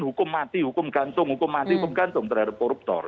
hukum mati hukum gantung hukum mati hukum gantung terhadap koruptor